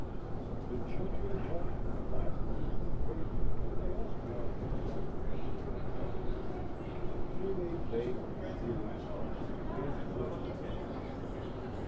The genial warmth of the fire pleased them greatly and they asked Longhead what it was and where it came from. He made vague and mysterious answers and gave them little satisfaction.